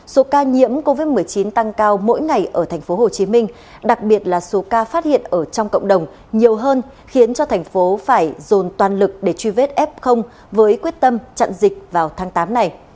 số ca nhiễm covid một mươi chín tăng cao mỗi ngày ở tp hcm đặc biệt là số ca phát hiện ở trong cộng đồng nhiều hơn khiến cho thành phố phải dồn toàn lực để truy vết f với quyết tâm chặn dịch vào tháng tám này